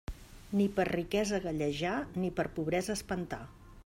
Ni per riquesa gallejar ni per pobresa espantar.